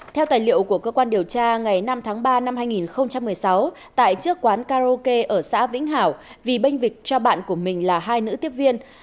theo tài liệu của cơ quan điều tra ngày năm tháng ba năm hai nghìn một mươi sáu tại trước quán karaoke ở xã vĩnh hảo vì bênh vịt cho bạn của mình là hai nữ tiếp viên